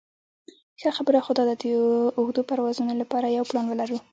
ښه خبره خو داده د اوږدو پروازونو لپاره یو پلان ولرو.